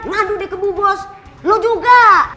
nandu deh ke bu bus lo juga